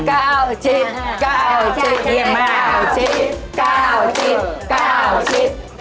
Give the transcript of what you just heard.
อะไรมั้ยครับ